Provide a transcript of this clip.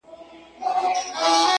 • وئېل ئې دغه ټول علامتونه د باران دي -